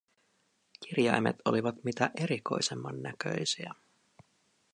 Kirjaimet olivat mitä erikoisemman näköisiä.